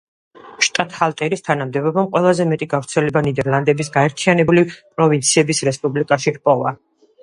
შტატჰალტერის თანამდებობამ ყველაზე მეტი გავრცელება ნიდერლანდების გაერთიანებული პროვინციების რესპუბლიკაში ჰპოვა.